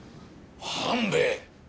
半兵衛！